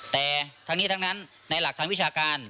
แต่ทั้งนี้ทั้งนั้นในหลักทางวิชาการ